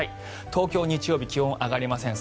東京、日曜日気温上がりません。